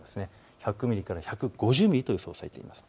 １００ミリから１５０ミリと予想されています。